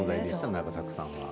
永作さんは。